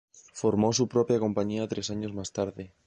Formó su propia compañía tres años más tarde.